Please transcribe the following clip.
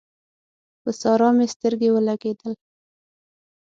پر سارا مې سترګې ولګېدل